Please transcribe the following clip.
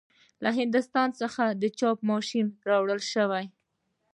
له هندوستان څخه د چاپ ماشین راوړل شو.